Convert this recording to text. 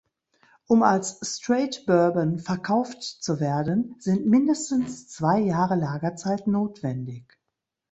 Um als Straight Bourbon verkauft zu werden, sind mindestens zwei Jahre Lagerzeit notwendig.